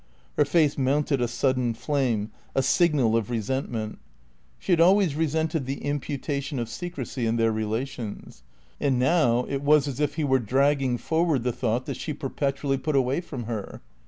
Her face mounted a sudden flame, a signal of resentment. She had always resented the imputation of secrecy in their relations. And now it was as if he were dragging forward the thought that she perpetually put away from her.